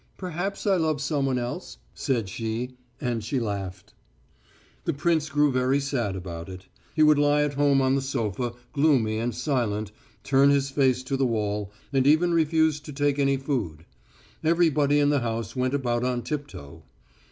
"Perhaps I love someone else," said she, and she laughed. The prince grew very sad about it. He would lie at home on the sofa, gloomy and silent, turn his face to the wall, and even refuse to take any food. Everybody in the house went about on tip toe....